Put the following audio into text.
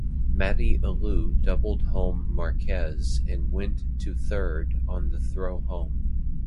Matty Alou doubled home Marquez and went to third on the throw home.